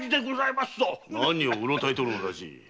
何をうろたえておるのだじい？